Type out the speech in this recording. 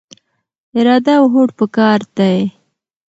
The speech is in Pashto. اراده او هوډ پکار دی.